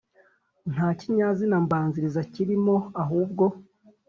Nta kinyazina mbanziriza kirimo ahubwo